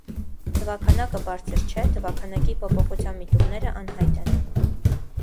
Թվաքանակը բարձր չէ, թվաքանակի փոփոխության միտումները անհայտ են։